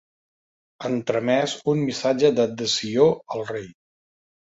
Han tramès un missatge d'adhesió al rei.